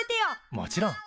もちろん。